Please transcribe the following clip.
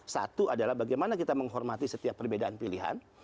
satu adalah bagaimana kita menghormati setiap perbedaan pilihan